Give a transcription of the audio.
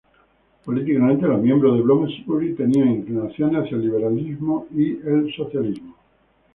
Políticamente los miembros de Bloomsbury tenían inclinaciones hacia el liberalismo y del socialismo.